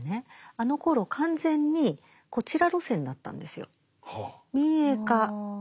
あのころ完全にこちら路線だったんですよ。